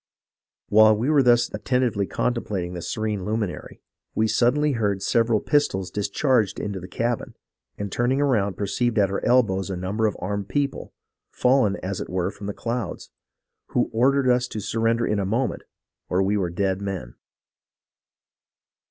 While we were thus attentively contemplating the serene luminary, we suddenly heard several pistols discharged into the cabin, and turning around perceived at our elbows a number of armed people, fallen as it were from the clouds, who ordered us to surrender in a moment or we were dead men.